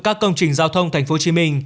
các công trình giao thông tp hcm